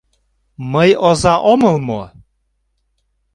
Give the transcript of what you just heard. Мый оза омыл мо?